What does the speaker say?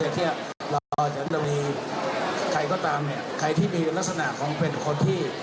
เขาก็ตามคนที่มีลักษณะเป็นคนที่